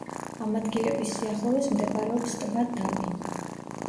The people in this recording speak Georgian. ამ ადგილების სიახლოვეს მდებარეობს ტბა დაბი.